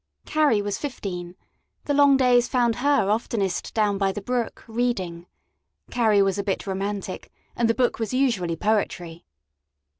Carrie was fifteen; the long days found her oftenest down by the brook, reading Carrie was a bit romantic, and the book was usually poetry.